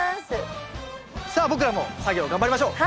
さあ僕らも作業頑張りましょう！